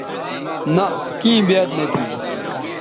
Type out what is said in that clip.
نہء کیں بیاد نہ تھی